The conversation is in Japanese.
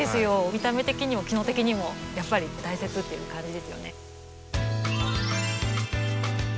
見た目的にも機能的にもやっぱり大切っていう感じですよね。